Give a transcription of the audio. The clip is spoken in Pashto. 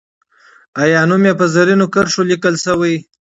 آیا نوم یې په زرینو کرښو لیکل سوی؟